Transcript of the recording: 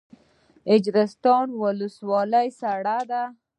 د اجرستان ولسوالۍ سړه ده